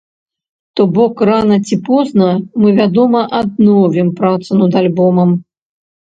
То бок, рана ці позна мы, вядома, адновім працу над альбомам.